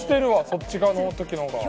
こっち側の時のほうが。